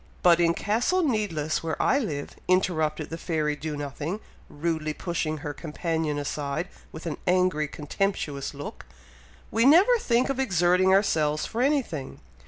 "But in Castle Needless where I live," interrupted the fairy Do nothing, rudely pushing her companion aside, with an angry contemptuous look, "we never think of exerting ourselves for anything.